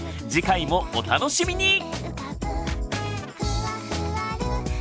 次回もお楽しみに！